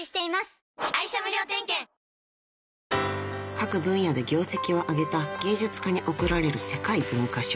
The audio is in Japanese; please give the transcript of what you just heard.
［各分野で業績をあげた芸術家に贈られる世界文化賞］